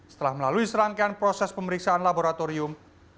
setelah melalui serangkaian proses pemeriksaan laboratorium